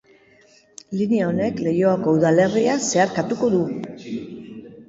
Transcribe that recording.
Linea honek Leioako udalerria zeharkatuko du.